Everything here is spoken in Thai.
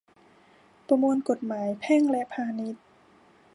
ประมวลกฎหมายแพ่งและพาณิชย์